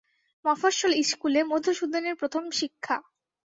মফস্বল ইস্কুলে মধুসূদনের প্রথম শিক্ষা।